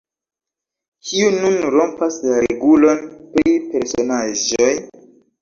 "Kiu nun rompas la regulon pri personaĵoj?"